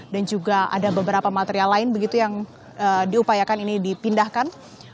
dan juga ada beberapa material lain begitu yang diupayakan ini dipindahkan